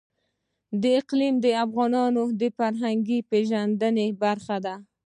اقلیم د افغانانو د فرهنګي پیژندنې برخه ده.